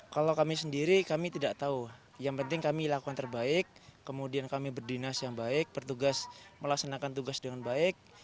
kalau kami sendiri kami tidak tahu yang penting kami lakukan terbaik kemudian kami berdinas yang baik bertugas melaksanakan tugas dengan baik